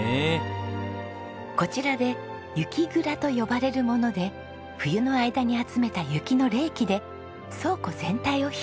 こちらで雪蔵と呼ばれるもので冬の間に集めた雪の冷気で倉庫全体を冷やしているんです。